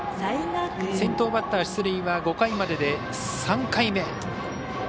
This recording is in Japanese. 先頭バッター出塁は５回までで３回目。